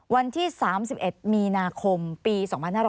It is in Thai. วันที่๓๑มีนาคมปี๒๕๕๙